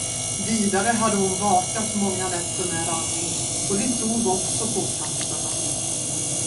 Vidare hade hon vakat många nätter med Anni, och det tog också på krafterna.